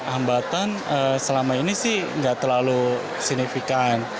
hambatan selama ini sih nggak terlalu signifikan